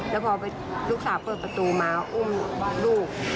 แล้วพอลูกสาวเปิดประตูมาอุ้มลูก